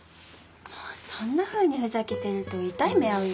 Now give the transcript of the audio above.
もうそんなふうにふざけてると痛い目遭うよ？